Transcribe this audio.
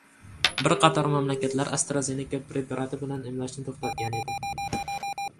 Bir qator mamlakatlar AstraZeneca preparati bilan emlashni to‘xtatgan edi.